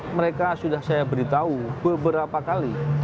mereka sudah saya beritahu beberapa kali